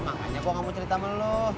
makanya gue gak mau cerita sama lo